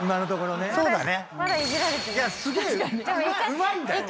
うまい。